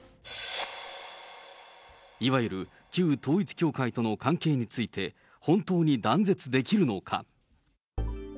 いわゆる旧統一教会との関係について、本当に断絶できるのか。